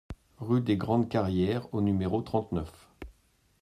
Rue des Grandes Carrières au numéro trente-neuf